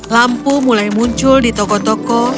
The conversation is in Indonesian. lampu mulai muncul di toko toko